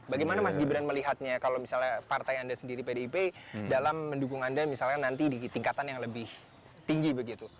bagaimana mas gibran melihatnya kalau misalnya partai anda sendiri pdip dalam mendukung anda misalnya nanti di tingkatan yang lebih tinggi begitu